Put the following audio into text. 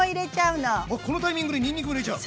あっこのタイミングでにんにくも入れちゃう？